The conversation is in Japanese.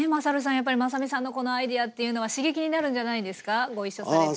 やっぱりまさみさんのこのアイデアというのは刺激になるんじゃないですかご一緒されてて。